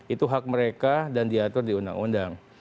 itu hak mereka dan diatur di undang undang